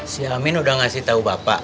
si amin udah ngasih tahu bapak